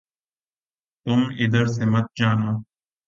تم ادھر سے مت جانا